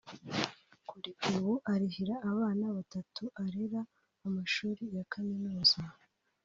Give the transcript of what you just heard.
Kuri ubu arihira abana batatu arera amashuri ya kaminuza